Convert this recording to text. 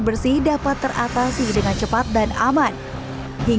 bersih dapat terkena kondisi penampungan air yang terkena kondisi penampungan air yang terkena